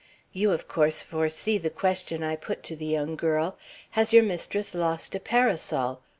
You, of course, foresee the question I put to the young girl. 'Has your mistress lost a parasol?